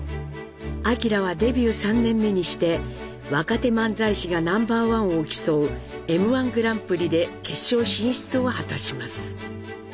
明はデビュー３年目にして若手漫才師がナンバーワンを競う「Ｍ−１グランプリ」で決勝進出を果たします。